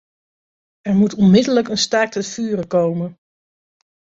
Er moet onmiddellijk een staakt-het-vuren komen.